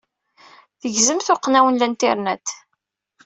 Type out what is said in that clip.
Tegzem tuqqna-w n Internet.